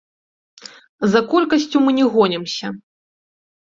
За колькасцю мы не гонімся.